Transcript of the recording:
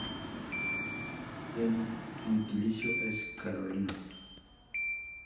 El gentilicio es "carolino".